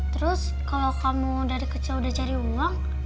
terus kalau kamu dari kecil udah cari uang